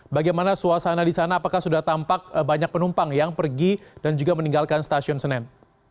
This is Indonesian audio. bagaimana suasana di sana apakah sudah tampak banyak penumpang yang pergi dan juga meninggalkan stasiun senen